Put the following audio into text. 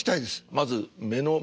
まず目の前